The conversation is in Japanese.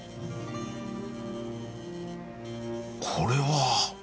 これは！？